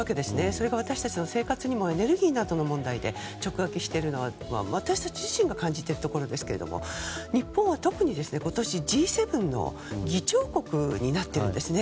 それが私たちの生活にもエネルギーなどの問題で直撃しているのは私たち自身が感じているところですが日本は特に今年、Ｇ７の議長国になっているんですね。